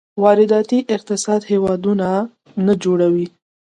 وارداتي اقتصاد هېواد نه جوړوي.